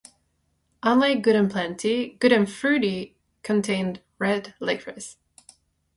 Unlike Good and Plenty, Good and Fruity contained red licorice.